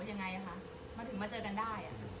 แสดงว่ายืนยันว่าปีที่แล้ว